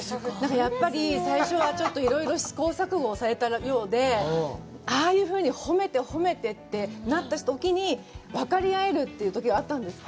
やっぱり最初はちょっといろいろ試行錯誤されたようで、ああいうふうに褒めて褒めてってなったときに、分かり合えるというときがあったんですって。